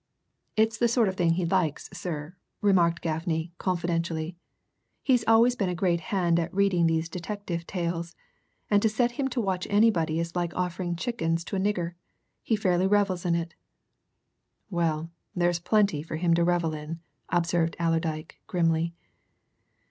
"It's the sort of thing he likes, sir," remarked Gaffney, confidentially. "He's always been a great hand at reading these detective tales, and to set him to watch anybody is like offering chickens to a nigger he fair revels in it!" "Well, there's plenty for him to revel in," observed Allerdyke grimly.